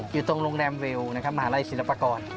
อยู่ตรงโรงแรมเวลนะครับมหาลัยศิลปากร